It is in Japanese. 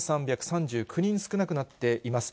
１３３９人少なくなっています。